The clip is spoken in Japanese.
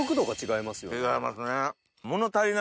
違いますね。